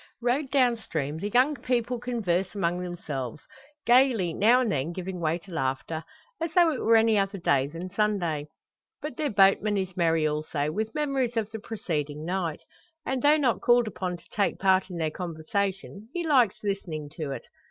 Rowed down stream, the young people converse among themselves; gaily, now and then giving way to laughter, as though it were any other day than Sunday. But their boatman is merry also, with memories of the preceding night; and, though not called upon to take part in their conversation, he likes listening to it.